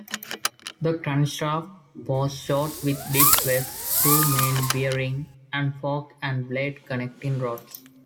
The crankshaft was short with disk webs, two main bearings and fork-and-blade connecting rods.